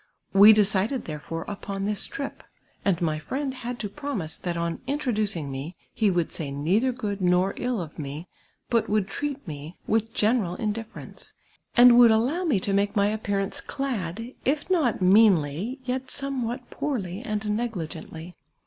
We decided there fore upon this trip, and my friend had to promise that on introducing me he would say neither good nor ill of me, but would treat mo with general indifference, and would ;illow me to make my ajipcarancc clad, if not meanly, yet somewliat poorly and negligently.